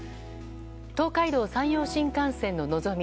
東海道・山陽新幹線の「のぞみ」